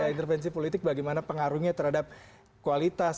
intervensi politik bagaimana pengaruhnya terhadap kualitas